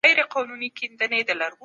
ملکيت د ژوند يوه برخه ده.